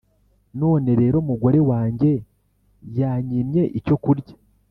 None rero mugore wanjye yanyimye icyo kurya